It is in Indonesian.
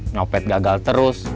nyopet gagal terus